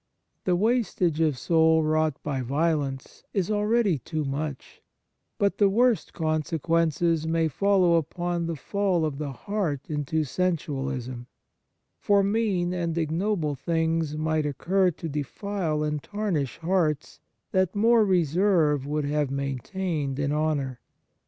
The wastage of soul wrought by violence is already too much, but the worst consequences may follow upon the fall of the heart into sensualism, for mean and ignoble things might occur to defile and tarnish hearts that more reserve would have maintained in honour.